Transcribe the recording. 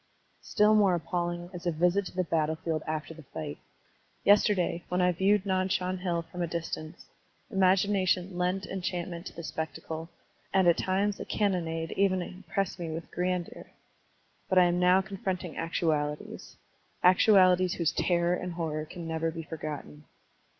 Still more appalling is a visit to the battle field after the fight. Yesterday, when I viewed Nan Shan Hill from a distance, imagination lent enchantment to the spectacle, and at times the cannonade even impressed me with grandeur. But 1 am now confronting actualities, — actualities whose terror and horror can never be forgotten.